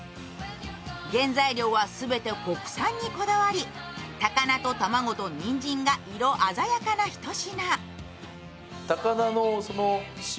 原材料は全て国産にこだわり、高菜と卵とにんじんが色鮮やかな一品。